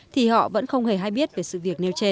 thì họ vẫn không hề hay biết về sự việc nêu trên